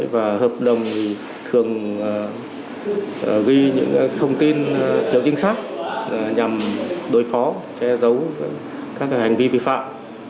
và hợp đồng thường ghi những thông tin thiếu chính xác nhằm đối phó che giấu các hành vi vi phạm